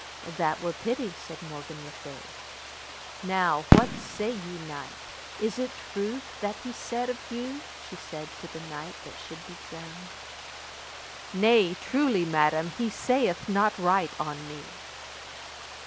That were pity, said Morgan le Fay. Now, what say ye, knight, is it truth that he saith of you? she said to the knight that should be drowned. Nay truly, madam, he saith not right on me.